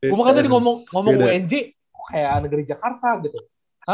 gue mah kan tadi ngomong unj kayak negeri jakarta gitu